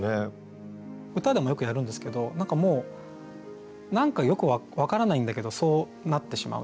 歌でもよくやるんですけど何かもう何かよく分からないんだけどそうなってしまうという。